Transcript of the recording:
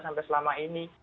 sampai selama ini